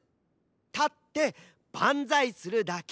たってバンザイするだけ。